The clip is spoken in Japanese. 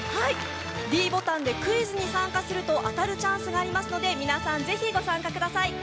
ｄボタンでクイズに参加すると当たるチャンスがありますので、皆さん、ぜひご参加ください。